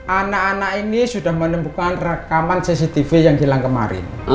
anak anak ini sudah menemukan rekaman cctv yang hilang kemarin